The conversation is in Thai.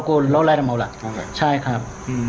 กูโรคไร้ทั้งหมดละใช่ครับ